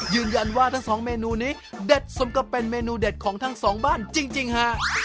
ทั้งสองเมนูนี้เด็ดสมกับเป็นเมนูเด็ดของทั้งสองบ้านจริงฮะ